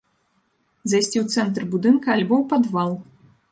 Зайсці ў цэнтр будынка або ў падвал.